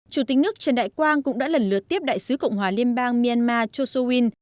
chủ tịch nước trần đại quang cũng đã lần lượt tiếp đại sứ cộng hòa liên bang myanmar chosowin